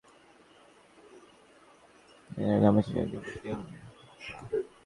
তিনি ইরাকের নাজাফ বিশ্ববিদ্যালয়ে ভর্তি হন।